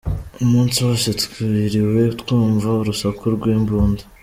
Umunsi wose twiriwe twumva urusaku rw’imbunda.